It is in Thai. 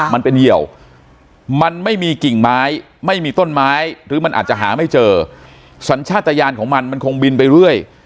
มันเป็นเหี่ยวมันไม่มีกิ่งไม้ไม่มีต้นไม้หรือมันอาจจะหาไม่เจอสัญชาติยานของมันมันคงบินไปเรื่อย